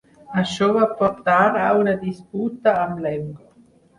Això va portar a una disputa amb Lemgo.